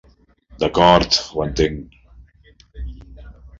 D'acord, ho entenc.